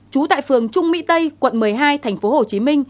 trú tại phường trung mỹ tây quận một mươi hai tp hcm